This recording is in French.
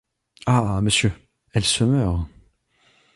Ah ! monsieur, elle se meurt !